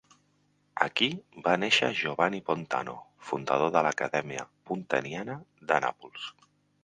Aquí va néixer Giovanni Pontano, fundador de l'Acadèmia Pontaniana de Nàpols.